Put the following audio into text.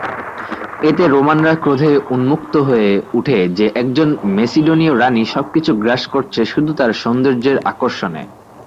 এতে রোমানরা ক্রোধে উন্মত্ত হয়ে উঠে যে একজন মেসিডোনীয় রানি সবকিছু গ্রাস করছে শুধু তার সৌন্দর্যের আকর্ষণে।